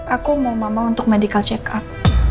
aku mau mama untuk medical check up